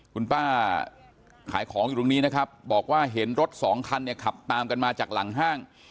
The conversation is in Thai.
คุณป้าขายของอยู่ตรงนี้นะครับบอกว่าเห็นรถสองคันเนี่ยขับตามกันมาจากหลังห้าง